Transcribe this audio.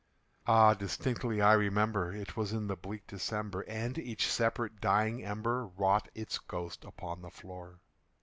Ah, distinctly I remember, it was in the bleak December, And each separate dying ember wrought its ghost upon the floor.